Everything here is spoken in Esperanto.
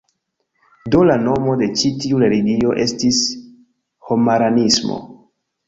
Do, la nomo de ĉi tiu religio estis Homaranismo.